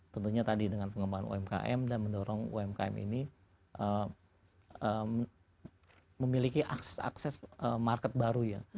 tentunya tadi dengan pengembangan umkm dan mendorong umkm ini memiliki akses akses market baru ya